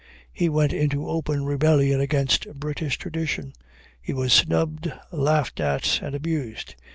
He went into open rebellion against British tradition. He was snubbed, laughed at, and abused.